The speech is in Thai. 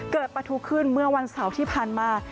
ประทุขึ้นเมื่อวันเสาร์ที่ผ่านมา